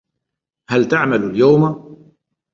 هل تعمل اليوم؟